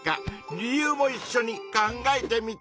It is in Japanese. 理由もいっしょに考えてみてくれ。